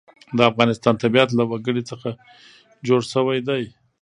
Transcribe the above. د افغانستان طبیعت له وګړي څخه جوړ شوی دی.